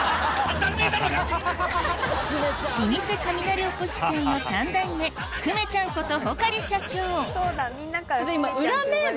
老舗雷おこし店の３代目くめちゃんこと穂刈社長